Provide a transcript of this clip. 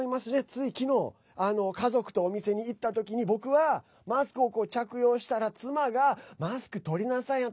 ついきのう家族とお店に行ったときに僕はマスクを着用したら妻がマスク取りなさいよ！